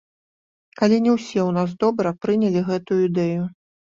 Але не ўсе ў нас добра прынялі гэтую ідэю.